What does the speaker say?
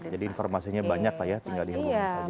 jadi informasinya banyak lah ya tinggal dihubungi saja